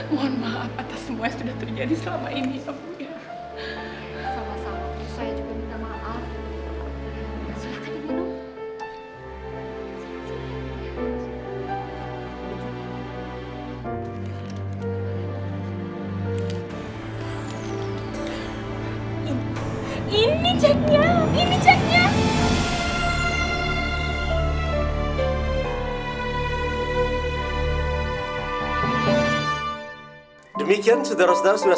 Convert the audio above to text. mohon maaf atas semua yang sudah terjadi selama ini ya ibu